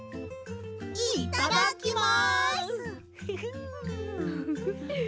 いっただきます！